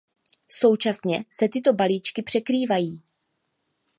Současně se tyto balíčky překrývají.